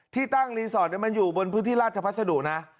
ที่ตั้งรีสอร์ทมันอยู่บนพื้นที่ราชพัสดุนะ